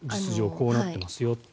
こうなってますよと。